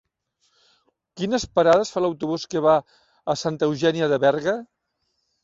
Quines parades fa l'autobús que va a Santa Eugènia de Berga?